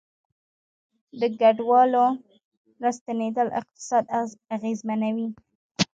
د کډوالو راستنیدل اقتصاد اغیزمنوي